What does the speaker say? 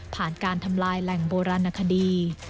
การทำลายแหล่งโบราณคดี